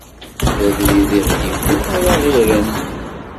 D abrid i ɣ-d-iwwin ara ɣ-irren.